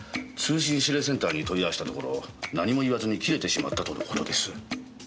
通信指令センターに問い合わせたところ何も言わずに切れてしまったとの事です。